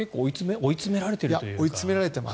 追い詰められています。